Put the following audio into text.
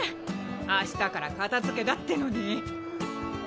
明日から片づけだってのに。